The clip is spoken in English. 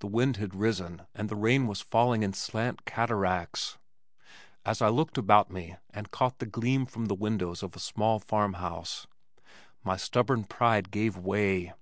The wind had risen and the rain was falling in slant cataracts. As I looked about me and caught the gleam from the windows of a small farmhouse, my stubborn pride gave way.